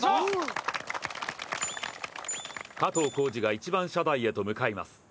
加藤浩次が１番射場へと向かいます